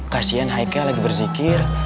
kasian haika lagi bersikir